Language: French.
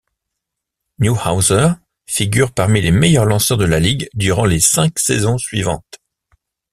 Newhouser figure parmi les meilleurs lanceurs de la Ligue durant les cinq saisons suivantes.